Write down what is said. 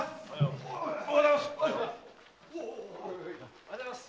おはようございます！